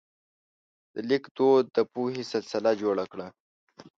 د لیک دود د پوهې سلسله جوړه کړه.